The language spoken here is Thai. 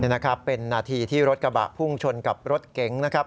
นี่นะครับเป็นนาทีที่รถกระบะพุ่งชนกับรถเก๋งนะครับ